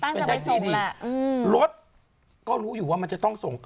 ตั้งจะไปส่งแหละรถก็รู้อยู่ว่ามันจะต้องส่ง